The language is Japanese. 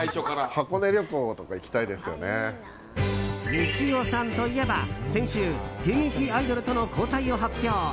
みちおさんといえば、先週現役アイドルとの交際を発表。